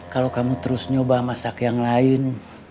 kalau kamu terus nyoba masak yang lain